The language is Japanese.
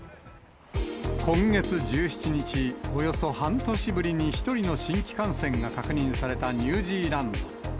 今月１７日、およそ半年ぶりに１人の新規感染が確認されたニュージーランド。